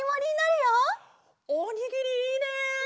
おにぎりいいね！